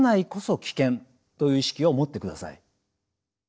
という意識を持ってください。